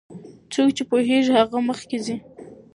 څوک چې پوهیږي هغه مخکې ځي.